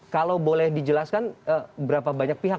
kalau boleh dijelaskan berapa banyak pihak